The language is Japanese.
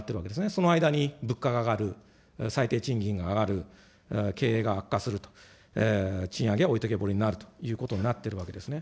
その間に物価が上がる、最低賃金が上がる、経営が悪化すると、賃上げは置いてけぼりになるということになっているわけですね。